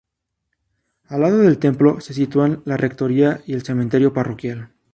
Al lado del templo, se sitúan la rectoría y el cementerio parroquial.